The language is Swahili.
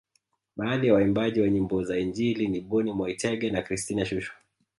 Baadhi ya waimbaji wa nyimbo za injili ni Boni Mwaitege na Christina Shusho